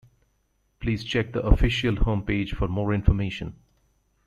Please check the official homepage for more information.